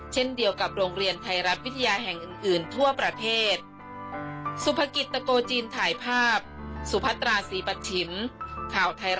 เช่นเดียวกับโรงเรียนไทยรัฐวิทยาแห่งอื่นทั่วประเทศ